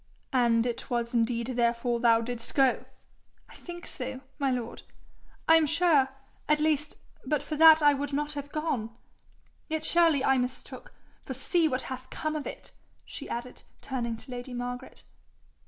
'And it was indeed therefore thou didst go?' 'I think so, my lord. I am sure, at least, but for that I would not have gone. Yet surely I mistook, for see what hath come of it,' she added, turning to lady Margaret.